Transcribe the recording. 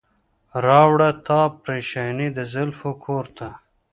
راوړه تا پریشاني د زلفو کور ته.